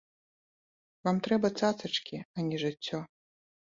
Вам трэба цацачкі, а не жыццё.